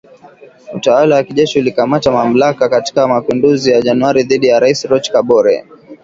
Utawala wa kijeshi ulikamata mamlaka katika mapinduzi ya Januari dhidi ya Rais Roch Kabore.